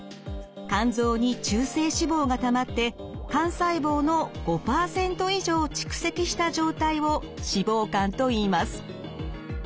肝臓に中性脂肪がたまって肝細胞の５％以上蓄積した状態を脂肪肝といいます。